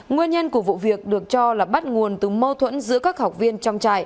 nguyên nhân của vụ việc được cho là bắt nguồn từ mâu thuẫn giữa các khách hàng